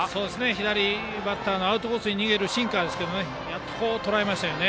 左バッターのアウトコースに逃げるシンカーをやっととらえましたね。